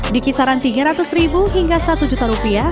di kisaran tiga ratus ribu hingga satu juta rupiah